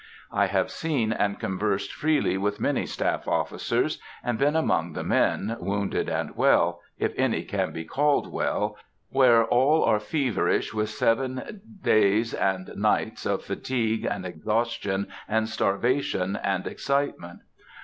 I have seen and conversed freely with many staff officers, and been among the men, wounded and well—if any can be called well, where all are feverish with seven days and nights of fatigue and exhaustion and starvation and excitement.